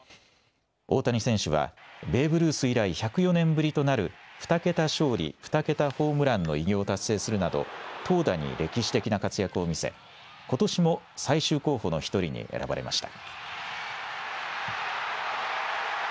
大谷選手は、ベーブ・ルース以来、１０４年ぶりとなる、２桁勝利、２桁ホームランの偉業を達成するなど、投打に歴史的な活躍を見せ、ことしも最終候補の一人に選ばれました。